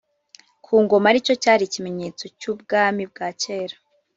ku Ngoma aricyo cyari ikimenyetso cy’Ubwami bwa kera